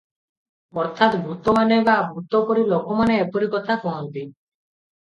ଅର୍ଥାତ୍ ଭୂତମାନେ ବା ଭୂତପରି ଲୋକମାନେ ଏପରି କଥା କହନ୍ତି ।